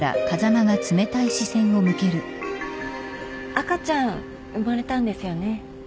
赤ちゃん生まれたんですよね。